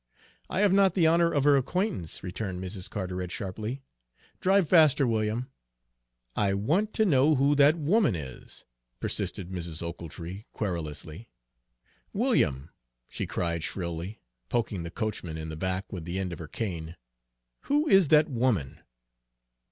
"I have not the honor of her acquaintance," returned Mrs. Carteret sharply. "Drive faster, William." "I want to know who that woman is," persisted Mrs. Ochiltree querulously. "William," she cried shrilly, poking the coachman in the back with the end of her cane, "who is that woman?"